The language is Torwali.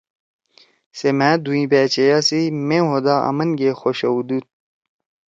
سے مھأ دھوئں بأچیئیا سی مےعہدہ اَمنگے خوشؤدُود